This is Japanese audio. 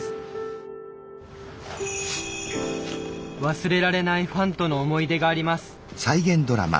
忘れられないファンとの思い出があります。